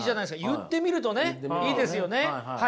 言ってみるとねいいですよね。